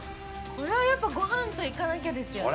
これはやっぱごはんといかなきゃですよね。